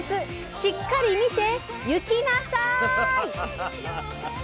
しっかり見て「ゆきな」さい！